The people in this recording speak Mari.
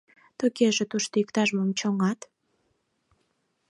Тугеже тушто иктаж-мом чоҥат.